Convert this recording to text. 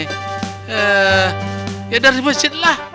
ya dari masjid lah